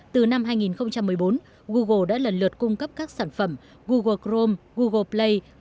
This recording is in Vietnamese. từ năm hai nghìn một mươi bốn google đã lần lượt cung cấp các sản phẩm google crome google play